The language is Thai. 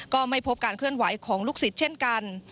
ก็ไม่พบการเคลื่อนไหวของลูกศิษย์เช่นกัน